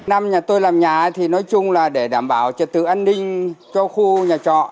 năm nhà tôi làm nhà thì nói chung là để đảm bảo trật tự an ninh cho khu nhà trọ